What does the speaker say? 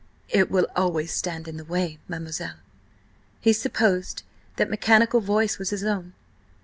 "It will always stand in the way, mademoiselle." He supposed that mechanical voice was his own.